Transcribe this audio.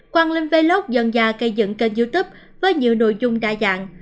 quang linh vlog dần dà cây dựng kênh youtube với nhiều nội dung đa dạng